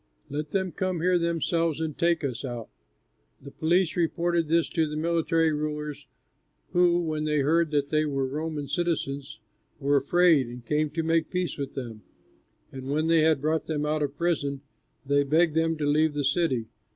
Let them come here themselves and take us out." The police reported this to the military rulers, who, when they heard that they were Roman citizens, were afraid and came to make peace with them, and when they had brought them out of prison, they begged them to leave the city.